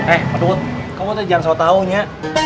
eh paduhut kamu jangan salah taunya